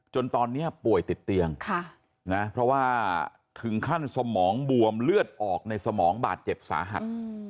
จนตอนนี้ป่วยติดเตียงเพราะว่าถึงขั้นสมองบวมเลือดออกในสมองบาดเจ็บสาหัส